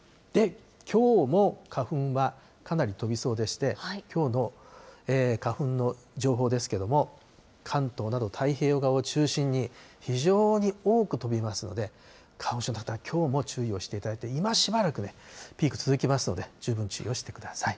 きょうも花粉はかなり飛びそうでして、きょうの花粉の情報ですけども、関東など、太平洋側を中心に、非常に多く飛びますので、花粉症の方、きょうも注意をしていただいて、今しばらくね、ピーク続きますので、十分注意をしてください。